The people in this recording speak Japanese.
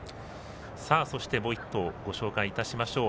そして、もう１頭ご紹介いたしましょう。